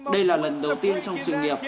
đây là lần đầu tiên trong sự nghiệp